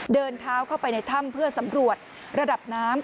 เดินเท้าเข้าไปในถ้ำเพื่อสำรวจระดับน้ำ